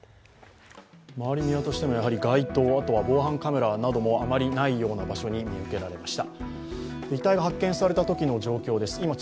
周りを見渡しても、街頭、防犯カメラなどもあまりないような場所に見受けられました。